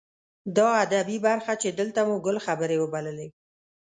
دا ادبي برخه چې دلته مو ګل خبرې وبللې.